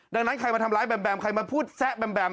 ดังนั้นใครมาทำร้ายแมมใครมาพูดแซะแบมแบม